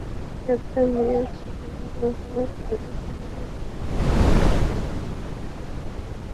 একটা মেয়ের সাথে ঝগড়া করার আগে ভেবে দেখবে, ঠিক আছে?